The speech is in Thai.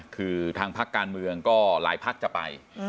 คือทางพักการเมืองก็หลายพักจะไป